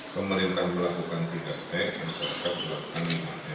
pemerintah melakukan tiga t dan sosok melakukan lima m